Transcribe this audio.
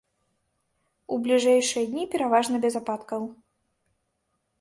У бліжэйшыя дні пераважна без ападкаў.